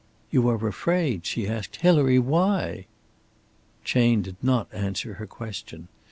"You are afraid?" she asked. "Hilary, why?" Chayne did not answer her question.